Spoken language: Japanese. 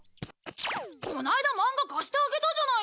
こないだ漫画貸してあげたじゃないか。